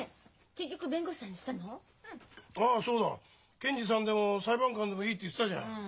検事さんでも裁判官でもいいって言ってたじゃん。